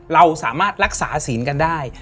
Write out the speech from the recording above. เราสามารถรักษาศีลกันได้